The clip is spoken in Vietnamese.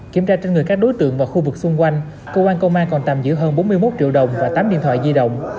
kiểm tra trên người các đối tượng và khu vực xung quanh cơ quan công an còn tạm giữ hơn bốn mươi một triệu đồng và tám điện thoại di động